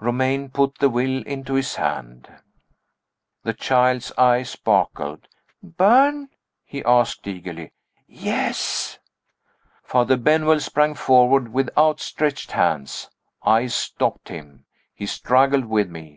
Romayne put the will into his hand. The child's eyes sparkled. "Burn?" he asked, eagerly. "Yes!" Father Benwell sprang forward with outstretched hands. I stopped him. He struggled with me.